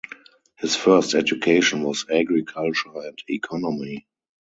His first education was agriculture and economy.